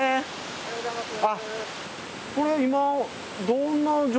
おはようございます。